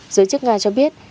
giới chức nga cho biết